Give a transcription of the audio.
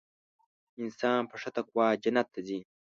انسان په ښه تقوا جنت ته ځي .